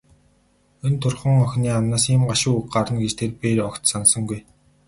Энэ турьхан охины амнаас ийм гашуун үг гарна гэж тэр бээр огт санасангүй.